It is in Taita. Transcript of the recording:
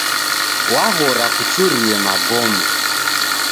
W'aghora kuchurie magome.